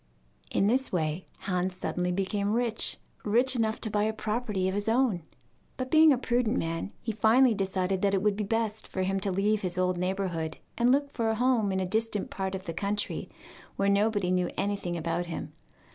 In this way Hans suddenly became rich rich enough to buy a property of his own. But being a prudent man, he finally decided that it would be best for him to leave his old neighbourhood and look for a home in a distant part of the country, where nobody knew anything about him.